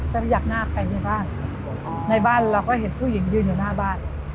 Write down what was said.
พยักหน้าไปในบ้านในบ้านเราก็เห็นผู้หญิงยืนอยู่หน้าบ้าน